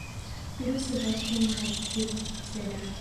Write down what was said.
virusi vya ukimwi huambukizwa kupitia damu